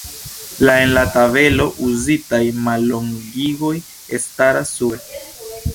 La en la tabelo uzitaj mallongigoj staras sube.